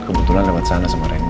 kebetulan lewat sana sama randy